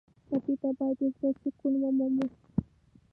ټپي ته باید د زړه سکون ومومو.